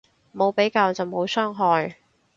冇比較就冇傷害